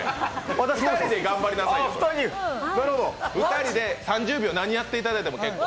２人で３０秒、何やっていただいても結構。